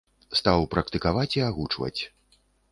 Стаў практыкаваць і агучваць.